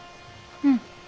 うん。